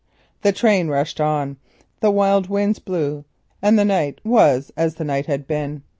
The train rushed on, the wild winds blew, and the night was as the night had been.